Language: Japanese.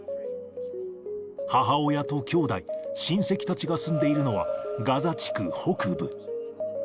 母親ときょうだい、親戚たちが住んでいるのは、ガザ地区北部。